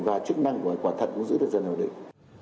và chức năng của quả thật cũng giữ được dần dần ổn định